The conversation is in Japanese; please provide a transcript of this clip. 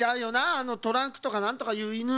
あのトランクとかなんとかいうイヌ。